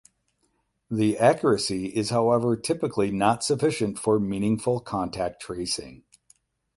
The accuracy is however typically not sufficient for meaningful contact tracing.